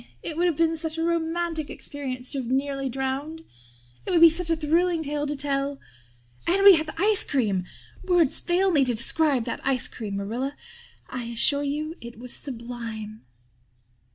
It would have been such a romantic experience to have been nearly drowned. It would be such a thrilling tale to tell. And we had the ice cream. Words fail me to describe that ice cream. Marilla, I assure you it was sublime."